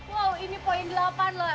wow ini poin delapan loh